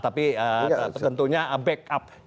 tapi tentunya back up